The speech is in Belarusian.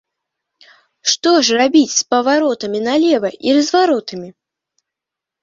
Што ж рабіць з паваротамі налева і разваротамі?